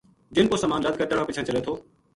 جن پو سامان لد کے تہنا پچھاں چلے تھو